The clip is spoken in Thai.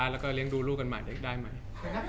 แล้วก็เลี้ยงดูลูกกันใหม่ได้ไหม